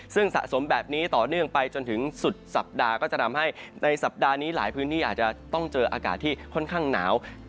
ซึ่งสะสมแบบนี้ต่อเนื่องไปจนถึงสุดสัปดาห์ก็จะทำให้ในสัปดาห์นี้หลายพื้นที่อาจจะต้องเจออากาศที่ค่อนข้างหนาว